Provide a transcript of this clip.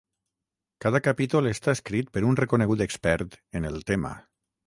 Cada capítol està escrit per un reconegut expert en el tema.